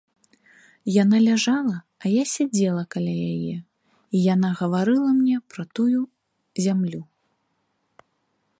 Яна ляжала, а я сядзела каля яе, і яна гаварыла мне пра тую зямлю.